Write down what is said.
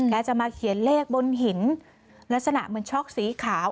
จะมาเขียนเลขบนหินลักษณะเหมือนช็อกสีขาว